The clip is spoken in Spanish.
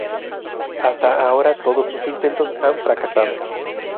Hasta ahora, todos sus intentos han fracasado.